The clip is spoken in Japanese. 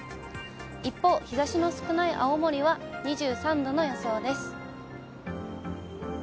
一方、日ざしの少ない青森は２３度の予想です。